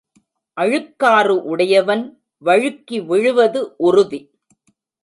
அழுக்காறு உடையவன் வழுக்கி விழுவது உறுதி.